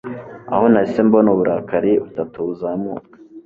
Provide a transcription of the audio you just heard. aho nahise mbona Uburakari butatu buzamuka